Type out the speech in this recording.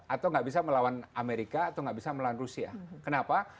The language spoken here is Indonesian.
atau nggak bisa melawan amerika atau nggak bisa melawan rusia kenapa